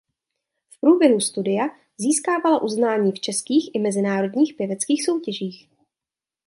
V průběhu studia získávala uznání v českých i mezinárodních pěveckých soutěžích.